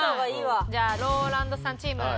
じゃあＲＯＬＡＮＤさんチーム。